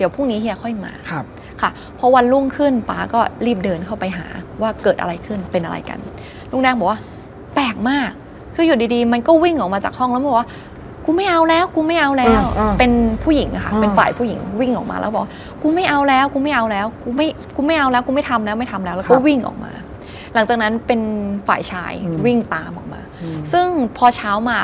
พอวันรุ่งขึ้นป๊าก็รีบเดินเข้าไปหาว่าเกิดอะไรขึ้นเป็นอะไรกันลูกแดงบอกว่าแปลกมากคืออยู่ดีมันก็วิ่งออกมาจากห้องแล้วบอกว่ากูไม่เอาแล้วเป็นผู้หญิงค่ะเป็นฝ่ายผู้หญิงวิ่งออกมาแล้วบอกกูไม่เอาแล้วกูไม่เอาแล้วกูไม่ทำแล้วแล้วก็วิ่งออกมาหลังจากนั้นเป็นฝ่ายชายวิ่งตามออกมาซึ่งพอเช้า